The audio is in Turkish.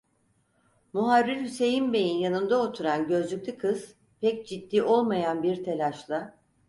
Muharrir Hüseyin beyin yanında oturan gözlüklü kız, pek ciddi olmayan bir telaşla: